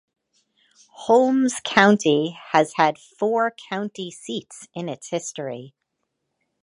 Holmes County has had four county seats in its history.